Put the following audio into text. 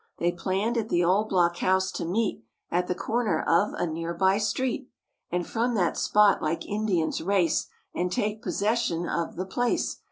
They planned at the Old Block House to meet At the comer of a nearby street. And from that spot like Indians race And take possession of the place.